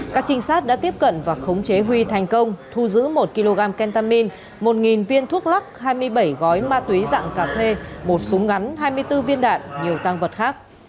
các trinh sát đã tiếp cận và khống chế huy thành công thu giữ một kg kentamin một viên thuốc lắc hai mươi bảy gói ma túy dạng cà phê một súng ngắn hai mươi bốn viên đạn nhiều tăng vật khác